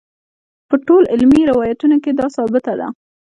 په ټولو علمي روایتونو کې دا ثابته ده.